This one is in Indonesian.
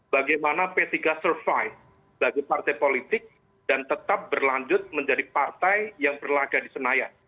bagaimana p tiga survive sebagai partai politik dan tetap berlanjut menjadi partai yang berlagak di senayan